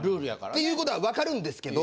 っていう事は分かるんですけど